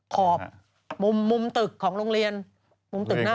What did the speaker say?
ข่อมุมตึกของโรงเรียน